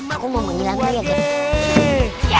aku mau menghilang lo ya